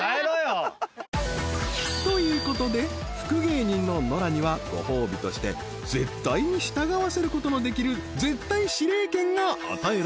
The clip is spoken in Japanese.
［ということで福芸人のノラにはご褒美として絶対に従わせることのできる「絶対司令権」が与えられます］